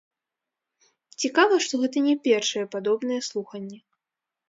Цікава, што гэта не першыя падобныя слуханні.